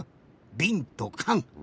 びんとかん。